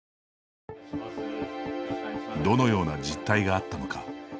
どのような実態があったのか。